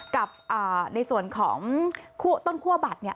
กับในส่วนของต้นคั่วบัตรเนี่ย